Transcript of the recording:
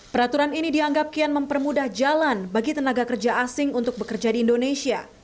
peraturan ini dianggap kian mempermudah jalan bagi tenaga kerja asing untuk bekerja di indonesia